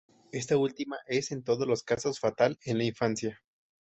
Esta última es, en todos los casos, fatal en la infancia.